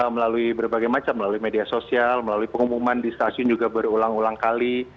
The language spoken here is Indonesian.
melalui berbagai macam melalui media sosial melalui pengumuman di stasiun juga berulang ulang kali